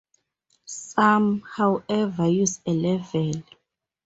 Some, however, use a level.